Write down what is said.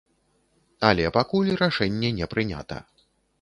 Але пакуль рашэнне не прынята.